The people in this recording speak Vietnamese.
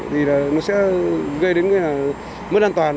thì là nó sẽ gây đến cái mất an toàn